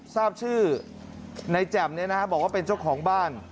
ทราบชื่อในแจ่มบอกว่าเป็นเจ้าของบ้าน